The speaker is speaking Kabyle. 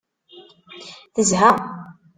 Tezha.